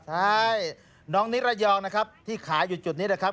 ใช่น้องนิรยองนะครับที่ขายอยู่จุดนี้นะครับ